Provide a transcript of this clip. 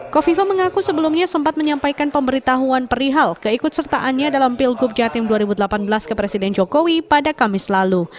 kofifa mengaku sebelumnya sempat menyampaikan pemberitahuan perihal keikut sertaannya dalam pilgub jatim dua ribu delapan belas ke presiden jokowi pada kamis lalu